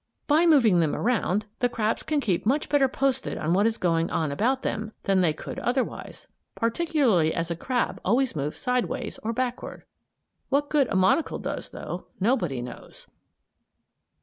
By moving them around the crabs can keep much better posted on what is going on about them than they could otherwise; particularly as a crab always moves sidewise or backward. What good a monocle does, though, nobody knows.